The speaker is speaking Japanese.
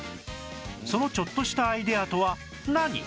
そのちょっとしたアイデアとは何？